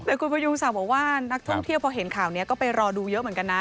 แต่คุณพยุงศักดิ์บอกว่านักท่องเที่ยวพอเห็นข่าวนี้ก็ไปรอดูเยอะเหมือนกันนะ